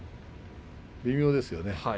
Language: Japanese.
微妙ですね。